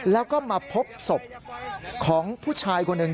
แล้วก็มาพบศพของผู้ชายคนหนึ่ง